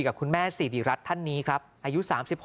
คุยกับคุณแม่ศรีดีรัฐท่านนี้อายุ๓๖